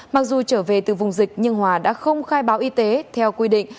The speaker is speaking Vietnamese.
mặc dù trở về từ vùng dịch nhưng hòa đã không khai báo y tế theo quy định